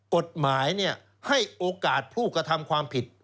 กฎหมายให้โอกาสผู้กระทำความผิด